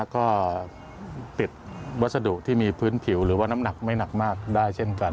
ก็ติดวัสดุที่มีพื้นผิวหรือว่าน้ำหนักไม่หนักมากได้เช่นกัน